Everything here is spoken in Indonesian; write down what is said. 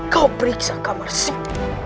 kau periksa kamar sip